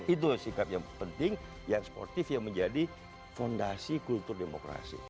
itulah sikap yang penting yang sportif yang menjadi fondasi kultur demokrasi